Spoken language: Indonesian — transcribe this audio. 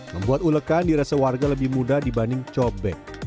membuat ulekan dirasa warga lebih mudah dibanding cobek